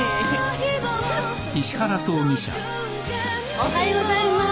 おはようございます。